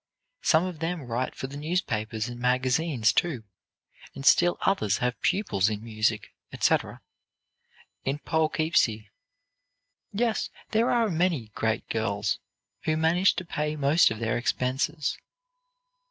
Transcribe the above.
Some of them write for the newspapers and magazines, too, and still others have pupils in music, etc., in Poughkeepsie. Yes, there are a great many girls who manage to pay most of their expenses."